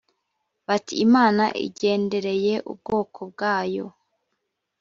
bati imana igendereye ubwoko bwayo